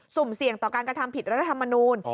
สุ่มเสี่ยงต่อการกระทำผิดรัฐธรรมนูล